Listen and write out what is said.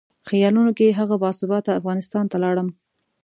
خیالونو کې هغه باثباته افغانستان ته لاړم.